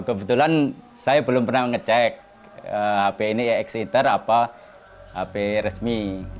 kebetulan saya belum pernah ngecek hp ini ya exitter apa hp resmi